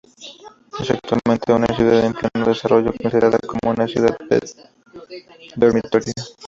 Es actualmente una ciudad en pleno desarrollo, considerada como una ciudad dormitorio.